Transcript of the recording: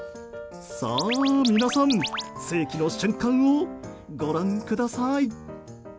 さあ、皆さん世紀の瞬間をご覧ください。